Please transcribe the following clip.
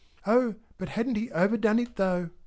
"O, but hadn't he overdone it, though!"